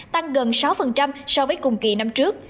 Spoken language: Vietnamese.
tăng gần sáu so với cùng kỳ năm trước